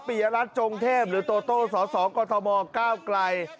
ปริยรัตน์จงเทพหรือโตโตสสกม๙ไกล